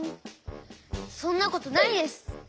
そんなことないです！